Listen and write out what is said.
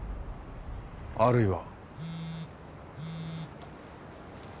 あるいは？